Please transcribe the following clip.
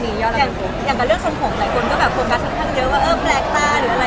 อย่างเกิดเรื่องสมผมหลายคนโสดเนื้อว่า